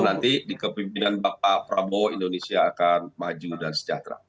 nanti di kepimpinan bapak prabowo indonesia akan maju dan sejahtera